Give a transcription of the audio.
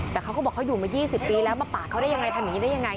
แต่เขาก็บอกเขาอยู่มา๒๐ปีแล้วมาปากเขาได้ยังไงทำอย่างนี้ได้ยังไง